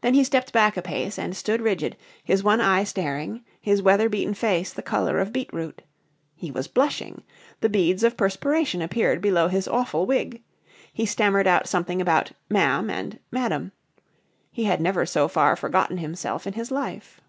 Then he stepped back a pace and stood rigid, his one eye staring, his weather beaten face the colour of beetroot. He was blushing. The beads of perspiration appeared below his awful wig. He stammered out something about "Ma'am" and "Madam." He had never so far forgotten himself in his life.